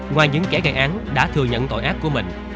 ngoài những kẻ gây án đã thừa nhận tội ác của mình